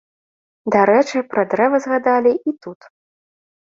Дарэчы, пра дрэвы згадалі і тут.